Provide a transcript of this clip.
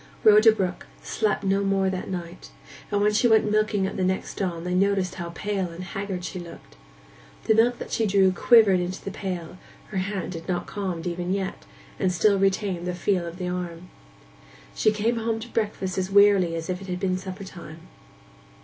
Rhoda Brook slept no more that night, and when she went milking at the next dawn they noticed how pale and haggard she looked. The milk that she drew quivered into the pail; her hand had not calmed even yet, and still retained the feel of the arm. She came home to breakfast as wearily as if it had been suppertime.